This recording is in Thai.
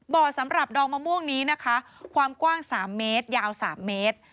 สำหรับดองมะม่วงนี้นะคะความกว้าง๓เมตรยาว๓เมตร